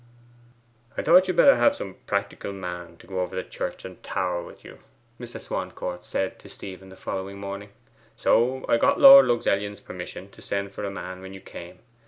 'I thought you had better have a practical man to go over the church and tower with you,' Mr. Swancourt said to Stephen the following morning, 'so I got Lord Luxellian's permission to send for a man when you came.